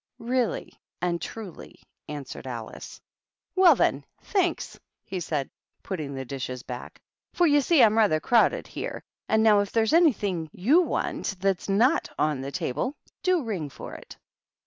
"Really and truly," answered Alice. "Well, then, — ^thanks," he said, putting the dishes back, "for you see I'm rather crowded here. And now, if there's anything you want that's not on the table, do ring for it."